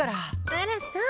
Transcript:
あらそう。